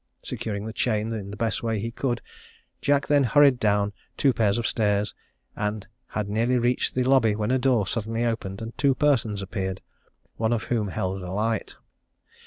Securing the chain in the best way he could, Jack then hurried down two pair of stairs, and had nearly reached the lobby, when a door suddenly opened, and two persons appeared, one of whom held a light.